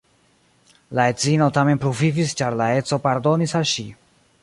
La edzino tamen pluvivis, ĉar la edzo pardonis al ŝi.